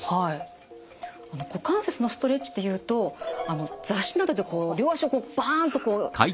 股関節のストレッチっていうと雑誌などで両足をバンとこうねっ。